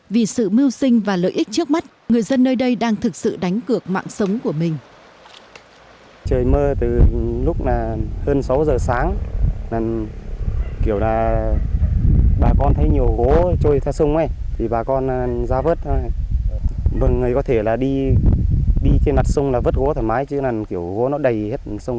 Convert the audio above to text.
vì sự mưu sinh và lợi ích trước mắt người dân nơi đây đang thực sự đánh cược mạng sống của mình